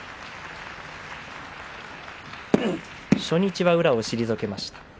初日は宇良を退けました。